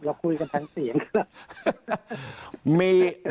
เราคุยกันทั้งเสียง